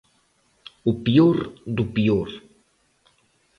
O peor do peor.